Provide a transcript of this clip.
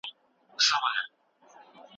څېړونکی باید تل بیدار وي.